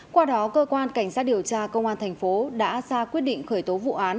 qua đó cơ quan cảnh sát điều tra công an thành phố đã ra quyết định khởi tố vụ án